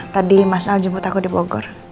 tadi mas al jemput aku di bogor